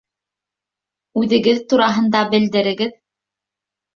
Үҙегеҙ тураһында белдерегеҙ.